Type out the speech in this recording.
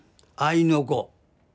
あいの子